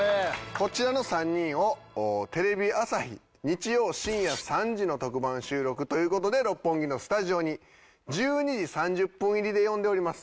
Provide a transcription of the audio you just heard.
こちらの３人をテレビ朝日日曜深夜３時の特番収録という事で六本木のスタジオに１２時３０分入りで呼んでおります。